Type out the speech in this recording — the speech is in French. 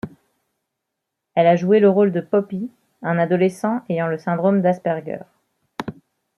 Elle a joué le rôle de Poppy, un adolescent ayant le syndrome d'Asperger.